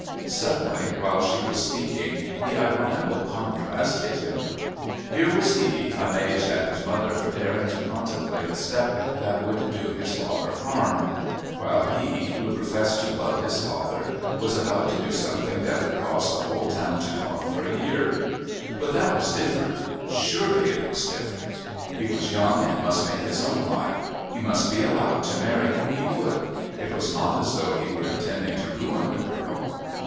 Suddenly while she was speaking the ironical contrast hit him. Here was he amazed at his mother for daring to contemplate a step that would do his father harm, while he, he who professed to love his father, was about to do something that would cause the whole town to talk for a year. But that was different. Surely it was different. He was young and must make his own life. He must be allowed to marry whom he would. It was not as though he were intending to ruin the girl....